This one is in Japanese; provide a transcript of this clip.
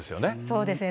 そうですね。